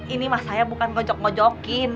ini mah saya bukan ojok ojokin